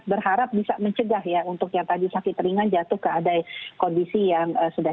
berharap bisa mencegah ya untuk yang tadi sakit ringan jatuh ke adai kondisi yang sudah